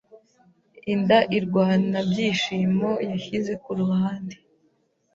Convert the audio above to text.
inda irwanaByishimo yashyize ku ruhande